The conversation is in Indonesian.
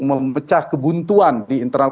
memecah kebuntuan di internal